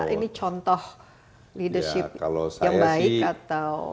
ini contoh leadership yang baik atau